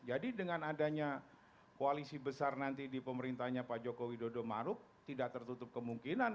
jadi dengan adanya koalisi besar nanti di pemerintahnya pak joko widodo maruk tidak tertutup kemungkinan